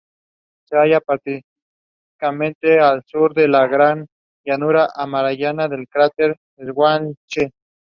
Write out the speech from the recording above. He also contributed to the study of volcanoes and molluscs.